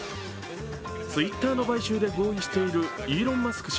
ツイッターの買収で合意しているイーロン・マスク